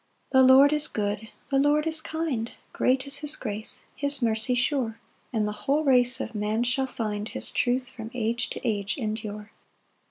4 The Lord is good, the Lord is kind; Great is his grace, his mercy sure; And the whole race of man shall find His truth from age to age endure.